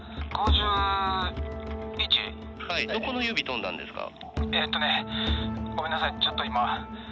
はいどこの指飛んだんですか？